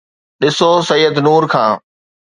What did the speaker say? ڏسو سيد نور کان